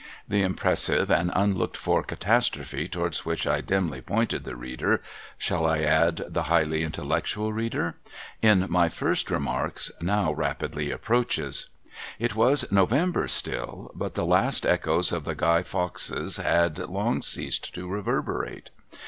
The impressive and unlooked for catastrophe towards which I dimly pointed the reader (shall I add, the highly intellectual reader?) in my first remarks now rapidly ai)proaches. It was November still, but the last echoes of the Guy Foxes had long ceased to reverberate.